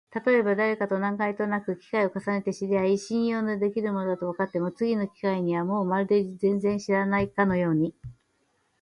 たとえばだれかと何回となく機会を重ねて知り合い、信用のできる者だとわかっても、次の機会にはもうまるで全然知らないかのように、